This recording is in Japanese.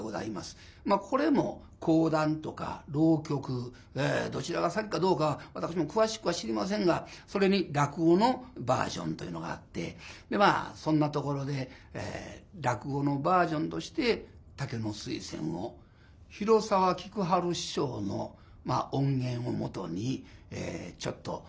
まあこれも講談とか浪曲どちらが先かどうかは私も詳しくは知りませんがそれに落語のバージョンというのがあってでまあそんなところで落語のバージョンとして「竹の水仙」を広沢菊春師匠の音源を基にちょっと覚えさせて頂きました。